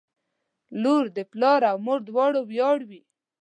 • لور د پلار او مور دواړو ویاړ وي.